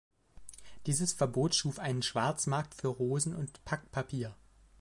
Dieses Verbot schuf einen Schwarzmarkt für Rosen und Packpapier.